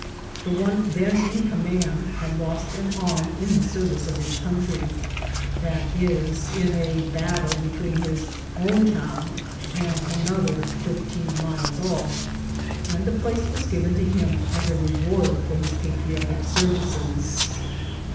The one then in command had lost an arm in the ser vice of his country, i. e., in a battle between his own tovm and another fifteen miles off, and the place was given to him as a reward for his patriotic services.